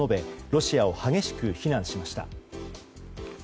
ロシアを激しく非難しました。